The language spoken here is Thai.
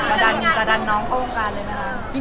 จะดันน้องโครงการเลยนะครับ